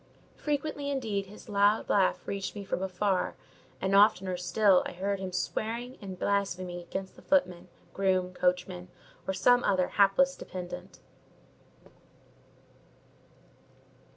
Frequently, indeed, his loud laugh reached me from afar; and oftener still I heard him swearing and blaspheming against the footmen, groom, coachman, or some other hapless dependant.